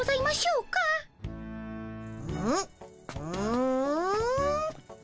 うん。